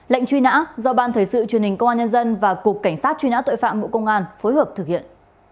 lệnh truy nã do ban thời sự truyền hình công an nhân dân và cục cảnh sát truy nã tội phạm bộ công an phối hợp thực hiện